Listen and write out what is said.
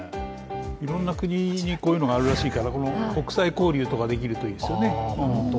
いろんな国にこういうのがあるらしいから、国際交流とかできるといいですよね。